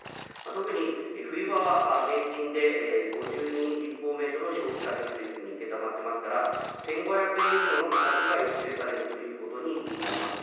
特に冬場は平均で５２立方メートルを消費されるというふうに承っておりますから、１５００円以上の価格が抑制されるということになります。